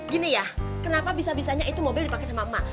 gini ya kenapa bisa bisanya itu mobil dipakai sama emak